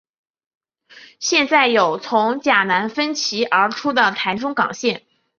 现在有从甲南分歧而出的台中港线。